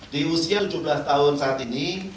di usia tujuh belas tahun saat ini